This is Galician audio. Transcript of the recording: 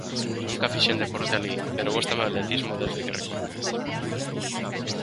Nunca fixen deporte alí, pero gústame o atletismo desde que recordo.